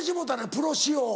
プロ仕様を。